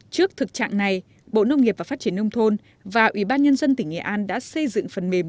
trước thực trạng này bộ nông nghiệp và phát triển nông thôn và ủy ban nhân dân tỉnh nghệ an đã xây dựng phần mềm